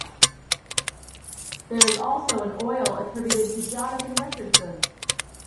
There is also an oil attributed to Jonathan Richardson.